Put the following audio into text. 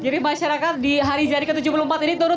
masyarakat di hari jadi ke tujuh puluh empat ini turun